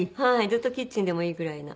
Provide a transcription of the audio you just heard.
ずっとキッチンでもいいぐらいな。